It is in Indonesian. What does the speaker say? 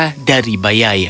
tetapi dia juga menyukai mereka